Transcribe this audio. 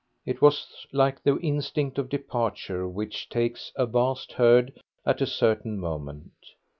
It was like the instinct of departure which takes a vast herd at a certain moment.